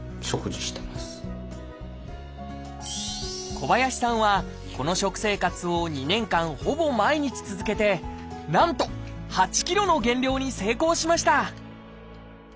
小林さんはこの食生活を２年間ほぼ毎日続けてなんと８ｋｇの減量に成功しました！